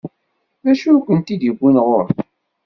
D acu i kent-id-iwwin ɣur-i?